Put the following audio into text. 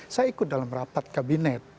saya ikut dalam rapat kabinet